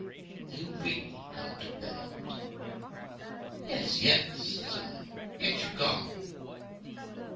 are you really gone to bed?' 'Yes, yes' says I; 'get you gone.'